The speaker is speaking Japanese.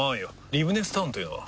リブネスタウンというのは？